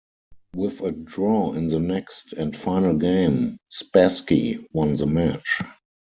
With a draw in the next and final game, Spassky won the match.